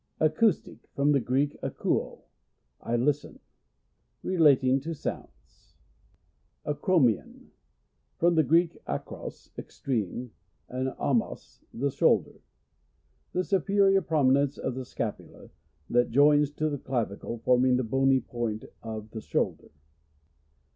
Acoustic. — I rom tire Greek, akouo, I listen. Ri fating to sounds* Acromion. — From the Greek, akros, extreme, ant! 6rhos, the shoulder. The superior prominence of the scapula, that joins to (he clavicle, forming the bony point of the shoulder.